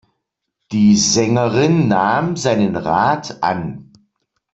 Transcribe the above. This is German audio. Die Sängerin nahm seinen Rat an.